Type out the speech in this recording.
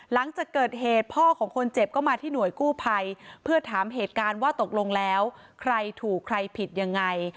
หลังจากเกิดเหตุพ่อของคนเจ็บก็มาที่หน่วยกู้ภัยเพื่อถามเหตุการณ์ว่าตกลงแล้วใครถูกใครผิดยังไง